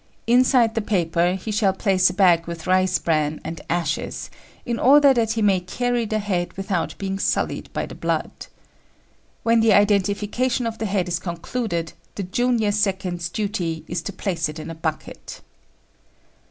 Inside the paper he shall place a bag with rice bran and ashes, in order that he may carry the head without being sullied by the blood. When the identification of the head is concluded, the junior second's duty is to place it in a bucket.